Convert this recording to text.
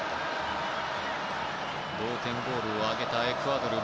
同点ゴールを挙げたエクアドル。